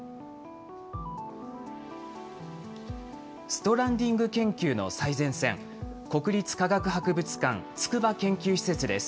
ストランディング研究の最前線、国立科学博物館・筑波研究施設です。